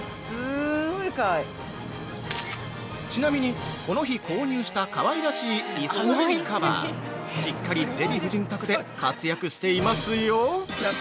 ◆ちなみに、この日購入したかわいらしい椅子脚カバー、しっかりデヴィ夫人宅で活躍していますよ。